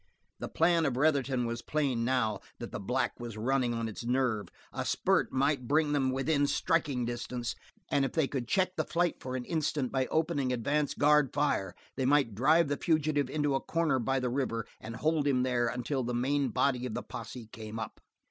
The plan of Retherton was plain: now that the black was running on its nerve a spurt might bring them within striking distance and if they could check the flight for an instant by opening advance guard fire, they might drive the fugitive into a corner by the river and hold him there until the main body the posse came up.